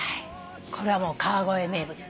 これはもう川越名物。